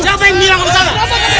siapa yang bilang kamu salah